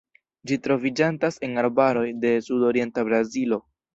Ĝi troviĝantas en arbaroj de sudorienta Brazilo.